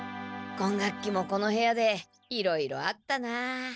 今学期もこの部屋でいろいろあったなあ。